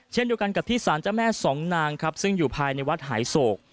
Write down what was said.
เช่นเดียวกันกับที่สารเจ้าแม่สองนางครับซึ่งอยู่ภายในวัดหายโศก